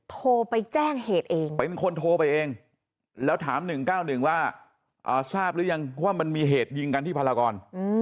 โทรไปแจ้งเหตุเองเป็นคนโทรไปเองแล้วถาม๑๙๑ว่าทราบหรือยังว่ามันมีเหตุยิงกันที่พลากร